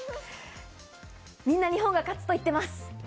みんな日本が勝つと言っています。